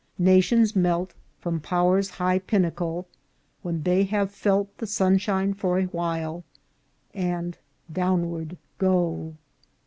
" Nations melt From Power's high pinnacle, when they have felt The sunshine for a while, and downward go."